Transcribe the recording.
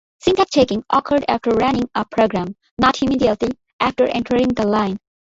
Syntax checking occurred after running a program, not immediately after entering the line.